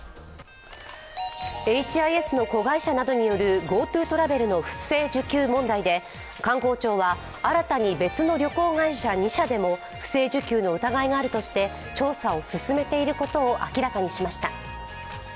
エイチ・アイ・エスの子会社などによるＧｏＴｏトラベルの不正受給問題で、観光庁は新たに別の旅行会社２社でも不正受給の疑いがあるとして調査を進めていることを明らかにしました。